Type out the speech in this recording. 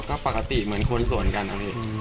ก็ปกติเหมือนคนสวนกันนะพี่